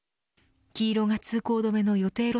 黄色が通行止めの予定